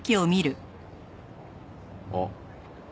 あっ。